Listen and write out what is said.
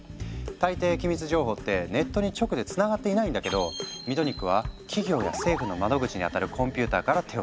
大抵機密情報ってネットに直でつながっていないんだけどミトニックは企業や政府の窓口にあたるコンピューターから手を付ける。